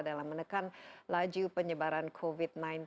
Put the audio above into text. dalam menekan laju penyebaran covid sembilan belas